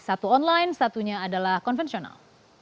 satu online satunya adalah konvensional